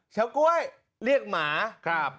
เฉาก๊วยเรียกหมา